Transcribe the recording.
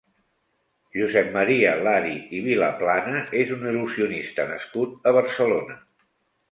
Josep Maria Lari i Vilaplana és un il·lusionista nascut a Barcelona.